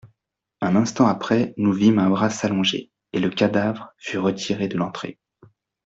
Un instant après, nous vîmes un bras s'allonger, et le cadavre fut retiré de l'entrée.